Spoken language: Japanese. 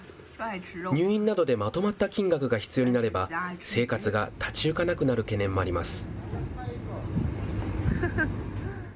入院などでまとまった金額が必要になれば、生活が立ち行かなくなる懸念もあります。